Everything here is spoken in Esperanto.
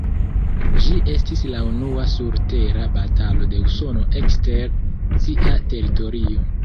Ĝi estis la unua surtera batalo de Usono ekster sia teritorio.